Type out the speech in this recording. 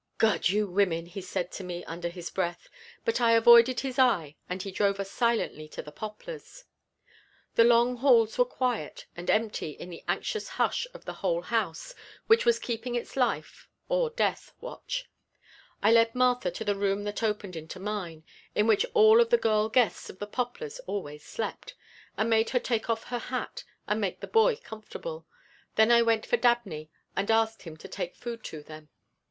"God, you women!" he said to me under his breath, but I avoided his eye and he drove us silently to the Poplars. The long halls were quiet and empty in the anxious hush of the whole house which was keeping its life or death watch. I led Martha to the room that opened into mine, in which all of the girl guests of the Poplars always slept, and made her take off her hat and make the boy comfortable. Then I went for Dabney and asked him to take food to them.